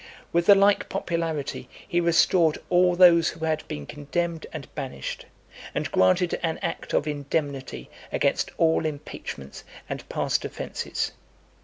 With the like popularity he restored all those who had been condemned and banished, and granted an act of indemnity against all impeachments and past offences.